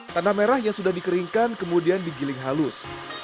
tanah merah yang sudah dikeringkan kemudian digiling halus